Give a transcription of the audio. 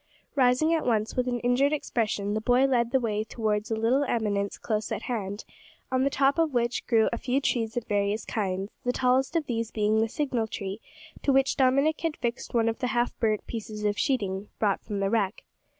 Rising at once, with an injured expression, the boy led the way towards a little eminence close at hand, on the top of which grew a few trees of various kinds, the tallest of these being the signal tree, to which Dominick had fixed one of the half burnt pieces of sheeting, brought from the wreck.